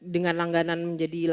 dengan langganan menjadi